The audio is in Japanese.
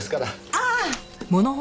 ああ！